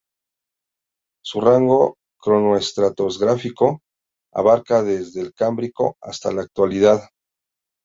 Su rango cronoestratigráfico abarca desde el Cámbrico hasta la actualidad.